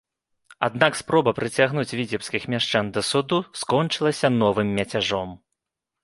Аднак спроба прыцягнуць віцебскіх мяшчан да суду скончылася новым мяцяжом.